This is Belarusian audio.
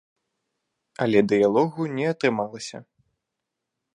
Але дыялогу не атрымалася.